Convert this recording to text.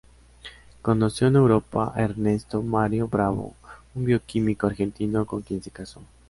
Conoció en Europa a Ernesto Mario Bravo, un bioquímico argentino con quien se casó.